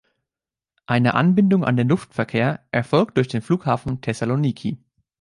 Eine Anbindung an den Luftverkehr erfolgt durch den Flughafen Thessaloniki.